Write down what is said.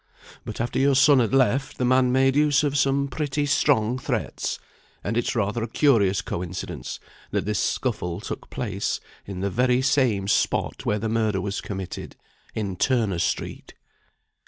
"But after your son had left, the man made use of some pretty strong threats. And it's rather a curious coincidence that this scuffle took place in the very same spot where the murder was committed; in Turner Street."